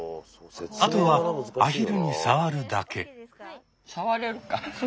あとはアヒルに触るだけ。